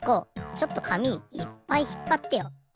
ちょっと紙いっぱいひっぱってよ。